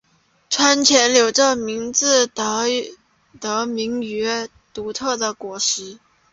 串钱柳这名字得名于它独特的果实。